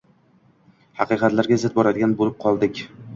haqiqatlarga zid boradigan bo‘lib qoldik.